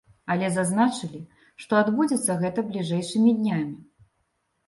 Але зазначылі, што адбудзецца гэта бліжэйшымі днямі.